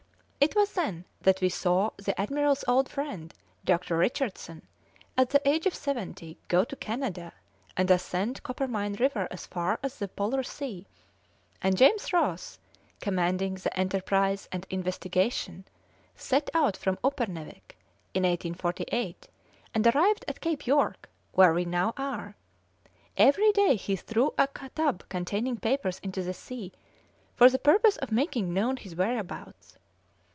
It was then that we saw the admiral's old friend, Dr. Richardson, at the age of seventy, go to Canada, and ascend Coppermine River as far as the Polar Sea; and James Ross, commanding the Enterprise and Investigation, set out from Uppernawik in 1848 and arrived at Cape York, where we now are. Every day he threw a tub containing papers into the sea, for the purpose of making known his whereabouts.